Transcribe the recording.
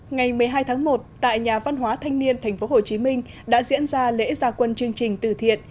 ngày một mươi hai tháng một tại nhà văn hóa thanh niên tp hcm đã diễn ra lễ gia quân chương trình từ thiện